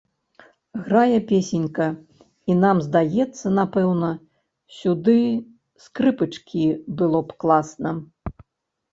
Грае песенька, і нам здаецца, напэўна, сюды скрыпачкі было б класна.